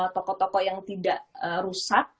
tokoh tokoh yang tidak rusak